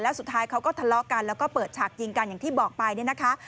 แล้วสุดท้ายเขาก็ทะเลาะกันแล้วก็เปิดฉากยิงกันอย่างที่บอกไปเนี่ยนะคะ